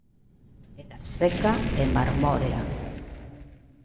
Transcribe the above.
Era seca e mármorea.